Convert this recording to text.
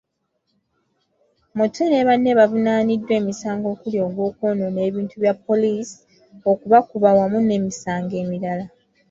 Mutwe ne banne bavunaaniddwa emisango okuli ogw'okwonoona ebintu bya poliisi, okubakuba wamu n'emisango emirala.